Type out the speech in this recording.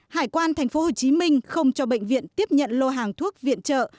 hải quan thành phố hồ chí minh không cho bệnh viện tiếp nhận lô hàng thuốc viện trợ